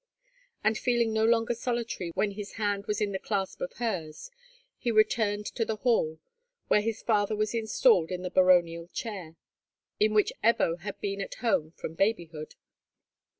And feeling no longer solitary when his hand was in the clasp of hers, he returned to the hall, where his father was installed in the baronial chair, in which Ebbo had been at home from babyhood.